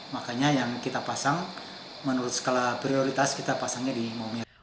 makanya yang kita pasang menurut skala prioritas kita pasangnya di mobil